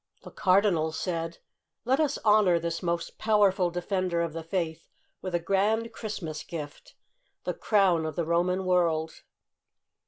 The cardinals said :" Let us honor this most powerful Defender of the Faith with a grand Christmas gift — the crown of the Roman world."